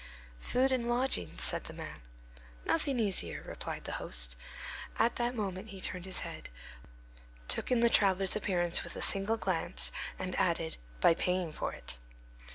"Food and lodging," said the man. "Nothing easier," replied the host. At that moment he turned his head, took in the traveller's appearance with a single glance, and added, "By paying for it."